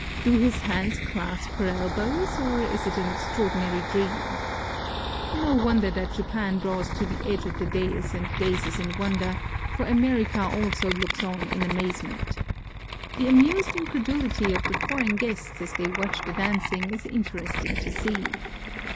Do his hands clasp her elbows, or is it an extraordinary dream? No wonder that Japan draws to the edge of the dais and gazes in wonder, for America also looks on in amazement. The amused incredulity of the foreign guests as they watch the dancing is interesting to see.